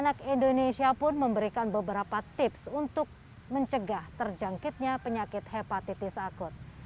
anak indonesia pun memberikan beberapa tips untuk mencegah terjangkitnya penyakit hepatitis akut